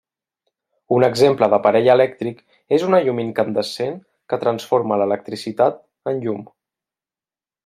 Un exemple d'aparell elèctric és una llum incandescent que transforma l'electricitat en llum.